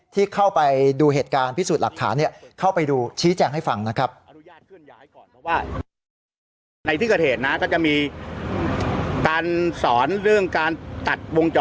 ที่เข้าไปดูเหตุการณ์พิสูจน์หลักฐานเข้าไปดูชี้แจงให้ฟังนะครับ